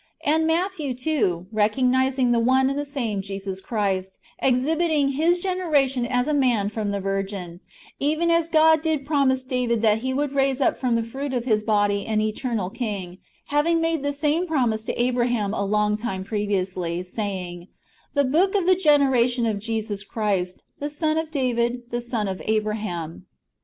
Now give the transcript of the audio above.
And Matthew, too, recognising one and the same Jesus Christ, exhibiting his generation as a man from the Virgin, even as God did promise David that He would raise up from the fruit of his body an eternal King, having made the same promise to Abraham a long time previously, says :" The book of the generation of Jesus Christ, the son of David, the son of Abraham."